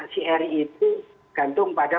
si erick itu gantung pada